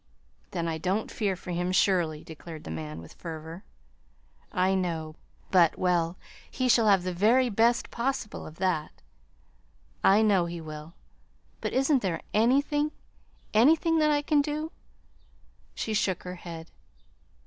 "Then I don't fear for him, surely" declared the man, with fervor. "I know, but well, he shall have the very best possible of that." "I know he will; but isn't there anything anything that I can do?" She shook her head.